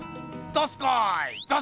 どすこい！